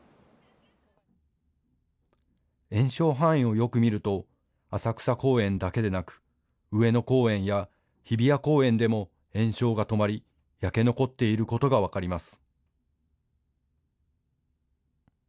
延焼範囲をよく見ると浅草公園だけでなく上野公園や日比谷公園でも延焼が止まり焼け残っていることが分かります。